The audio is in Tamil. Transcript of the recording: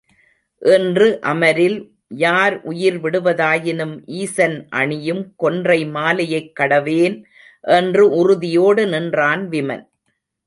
இன்று அமரில் யார் உயிர் விடுவதாயினும் ஈசன் அணியும் கொன்றை மாலையைக் கடவேன் என்று உறுதியோடு நின்றான் விமன்.